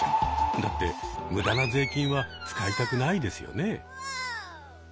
だって無駄な税金は使いたくないですよね。